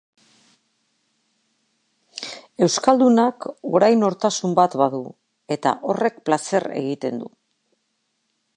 Euskaldunak orain nortasun bat badu eta horrek plazer egiten du.